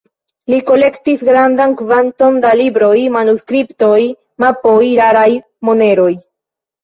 Li kolektis grandan kvanton da libroj, manuskriptoj, mapoj, raraj moneroj.